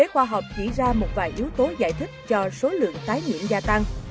chỉ ra một vài yếu tố giải thích cho số lượng tái nhiễm gia tăng